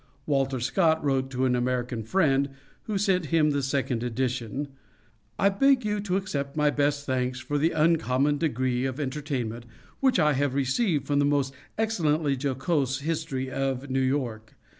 Walter Scott wrote to an American friend, who sent him the second edition "I beg you to accept my best thanks for the uncommon degree of entertainment which I have received from the most excellently jocose History of New York.